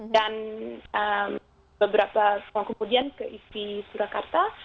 dan beberapa tahun kemudian ke isi surakarta